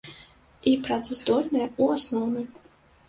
І працаздольныя ў асноўным.